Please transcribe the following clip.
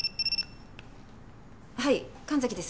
はい神崎です。